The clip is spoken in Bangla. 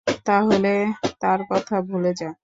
তাহলে তার কথা ভুলে যা!